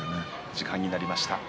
時間になりました。